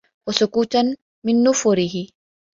وَسُكُوتًا مِنْ نُفُورِهِ